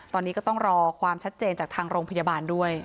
ตอนนี้ก็ต้องรอความชัดเจนจากทางโรงพยาบาลด้วย